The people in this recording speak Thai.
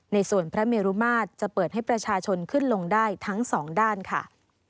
ในส่วนพระเมรุมาตรจะเปิดให้ประชาชนขึ้นลงได้ทั้งสองด้านค่ะ